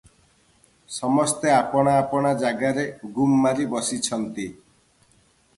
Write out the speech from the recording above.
ସମସ୍ତେ ଆପଣା ଆପଣା ଜାଗାରେ ଗୁମ୍ ମାରି ବସିଛନ୍ତି ।